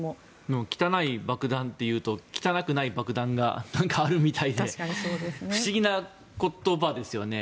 汚い爆弾というと汚くない爆弾があるみたいで不思議な言葉ですよね。